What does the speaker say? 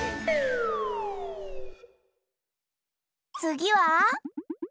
つぎは？